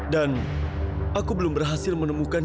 dan aku belum berhasil menemukan